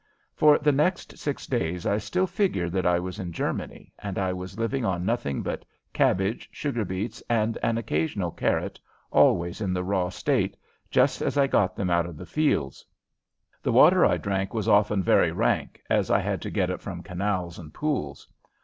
For the next six days I still figured that I was in Germany, and I was living on nothing but cabbage, sugar beets, and an occasional carrot, always in the raw state, just as I got them out of the fields. The water I drank was often very rank, as I had to get it from canals and pools.